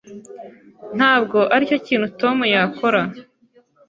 Ntabwo aricyo kintu Tom yakora.